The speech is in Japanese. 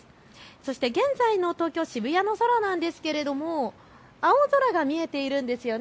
そして現在の東京渋谷の空なんですが青空が見えているんです。